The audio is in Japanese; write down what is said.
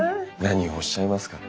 何をおっしゃいますか。